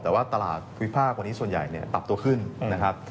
แต่ว่าตลาดวิภาควันนี้ส่วนใหญ่เนี่ยปรับตัวขึ้นนะครับ